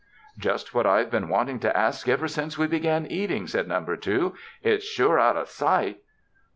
"Just what I've been wanting to ask ever since we began eating," said Number Two; ''it's sure out of sight."